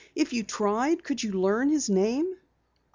If you tried could you learn his name?"